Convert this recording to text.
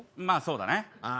まぁそうだね。